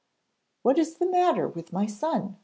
'What is the matter with my son?'